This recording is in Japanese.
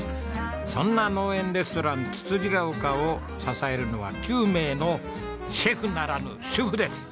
そんな農園レストランつつじヶ丘を支えるのは９名のシェフならぬ主婦です。